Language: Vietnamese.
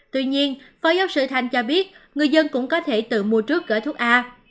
tuy nhiên phó giáo sư thanh cho biết người dân cũng có thể tự mua trước gói thuốc a